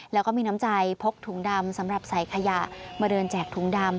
แล้วก็มีน้ำใจพกถุงดำสำหรับใส่ขยะมาเดินแจกถุงดำ